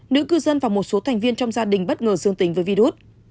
nữ cư dân và một số thành viên trong gia đình bất ngờ dương tính với virus